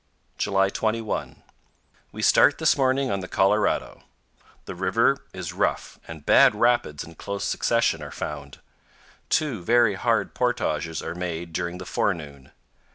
July 21. We start this morning on the Colorado. The river is rough, and bad rapids in close succession are found. Two very hard portages are made during the forenoon.